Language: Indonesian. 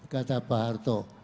kata pak harto